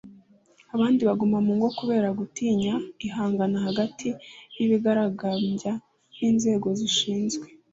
abandi baguma mu ngo kubera gutinya ihangana hagati y’abigaragambya n’inzego zishinzw